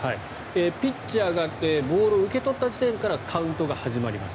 ピッチャーがボールを受け取った時点からカウントが始まります。